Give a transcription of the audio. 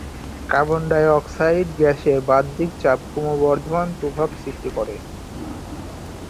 Carbon dioxide গ্যাসের বাহ্যিক চাপ ক্রমবর্ধমান প্রভাব সৃষ্টি করে।